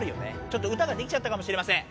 ちょっと歌ができちゃったかもしれません。